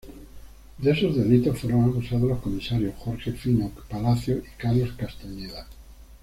De esos delitos fueron acusados los comisarios Jorge "Fino" Palacios y Carlos Castañeda.